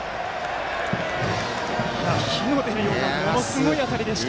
火の出るようなものすごい当たりでした。